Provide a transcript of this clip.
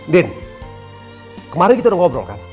denn kemarin kita udah ngobrol kan